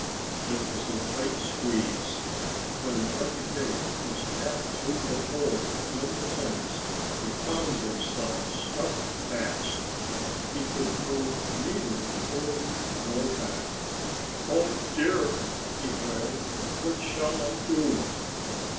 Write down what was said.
It was a tight squeeze. When Grunty Pig was half through the hole in the fence he found himself stuck fast. He could move neither forward nor back. "Oh, dear!" he wailed. "What shall I do?"